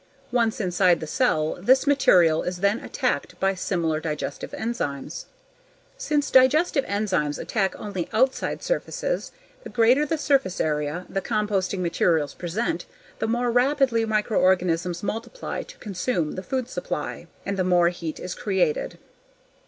Once inside the cell this material is then attacked by similar digestive enzymes. Since digestive enzymes attack only outside surfaces, the greater the surface area the composting materials present the more rapidly microorganisms multiply to consume the food supply. And the more heat is created.